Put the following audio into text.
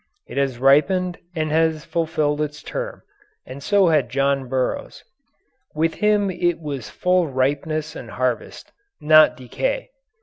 It has ripened and has fulfilled its term, and so had John Burroughs. With him it was full ripeness and harvest, not decay.